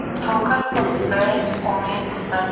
افسانې د برېتورو، ږيرورو